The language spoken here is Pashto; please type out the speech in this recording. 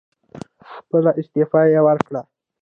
خپله استعفی یې ورکړه.